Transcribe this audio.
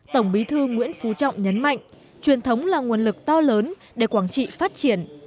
tổng bí thư nguyễn phú trọng nhấn mạnh truyền thống là nguồn lực to lớn để quảng trị phát triển